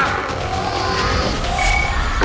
ถูกกว่า